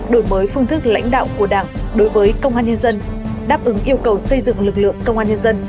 đổi mới phương thức lãnh đạo của đảng đối với công an nhân dân đáp ứng yêu cầu xây dựng lực lượng công an nhân dân